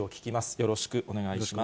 よろしくお願いします。